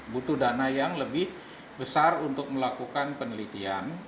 butuh dana yang lebih besar untuk melakukan penelitian